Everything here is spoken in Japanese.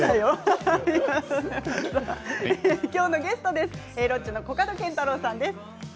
今日のゲストはロッチのコカドケンタロウさんです。